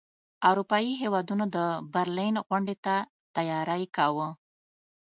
اروپايي هیوادونو د برلین غونډې ته تیاری کاوه.